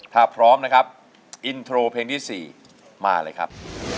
ถ้าพร้อมนะครับอินโทรเพลงที่๔มาเลยครับ